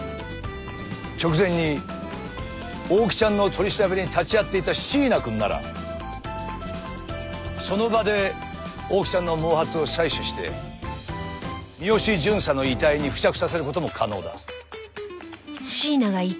直前に大木ちゃんの取り調べに立ち会っていた椎名くんならその場で大木ちゃんの毛髪を採取して三好巡査の遺体に付着させる事も可能だ。